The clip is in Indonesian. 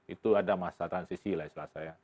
itu ada masa transisi lah